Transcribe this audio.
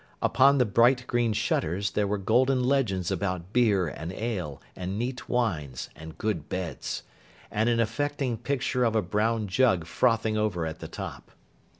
Upon the bright green shutters, there were golden legends about beer and ale, and neat wines, and good beds; and an affecting picture of a brown jug frothing over at the top.